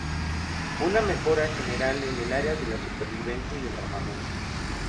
Una mejora general en el área de la supervivencia y del armamento.